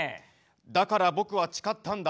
だから僕は誓ったんだ。